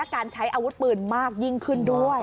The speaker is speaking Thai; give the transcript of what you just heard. การใช้อาวุธปืนมากยิ่งขึ้นด้วย